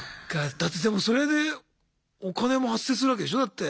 だってでもそれでお金も発生するわけでしょだって。